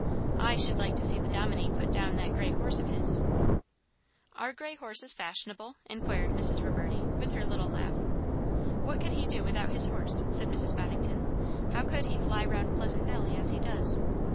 I should like to see the dominie put down that grey horse of his." "Are grey horses fashionable?" inquired Mrs. Reverdy, with her little laugh. "What would he do without his horse?" said Mrs. Boddington. "How could he fly round Pleasant Valley as he does?"